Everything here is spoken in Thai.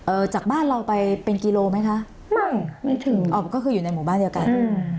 จากบ้านเราไปเป็นกิโลไหมคะไม่ถึงอ๋อก็คืออยู่ในหมู่บ้านเดียวกันอืม